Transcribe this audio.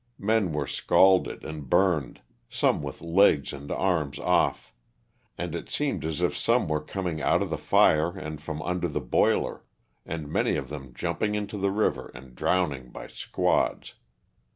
Men were scalded and burned, some with legs and arms off, and it seemed as if some were coming out of the fire and from under the boiler, and many of them jumping into the river and drowning by squads.